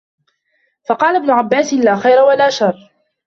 فَقَالَ ابْنُ عَبَّاسٍ لَا خَيْرَ وَلَا شَرَّ